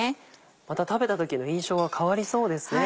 また食べた時の印象が変わりそうですね。